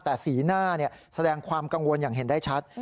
แต่สีหน้าแสดงความกังวลอย่างเห็นได้ชัด